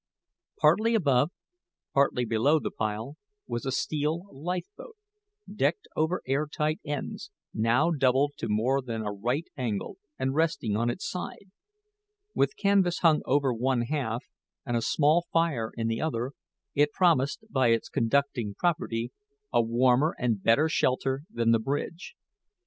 Partly above, partly below the pile, was a steel lifeboat, decked over air tight ends, now doubled to more than a right angle and resting on its side. With canvas hung over one half, and a small fire in the other, it promised, by its conducting property, a warmer and better shelter than the bridge.